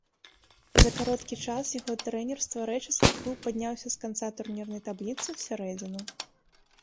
За кароткі час яго трэнерства рэчыцкі клуб падняўся з канца турнірнай табліцы ў сярэдзіну.